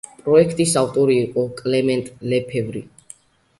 პროექტის ავტორი იყო კლემენტ ლეფევრი.